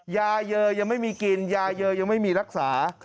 ยาเยอยังไม่มีกินยาเยอยังไม่มีรักษา